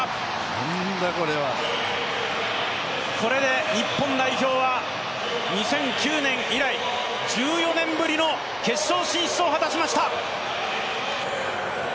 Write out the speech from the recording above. なんだ、これはこれで日本代表は２００９年以来、１４年ぶりの決勝進出を果たしました。